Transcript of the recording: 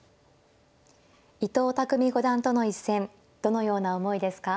伊藤匠五段との一戦どのような思いですか。